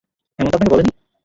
হেমন্ত আপনাকে বলেনি?